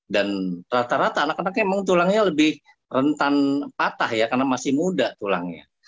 dan rata rata anak anaknya memang tulangnya lebih rentan patah ya karena masih muda tulangnya